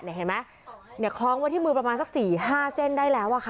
เห็นไหมนี่คลองมาที่มือประมาณสักสี่ห้าเส้นได้แล้วอะค่ะ